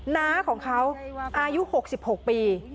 น้าของเขาอายุ๖๖ปี